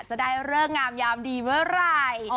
จะได้เลิกงามยามดีเมื่อไหร่